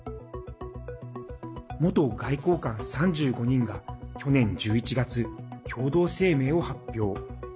元外交官３５人が去年１１月、共同声明を発表。